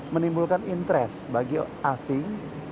menimbulkan interest bagi asing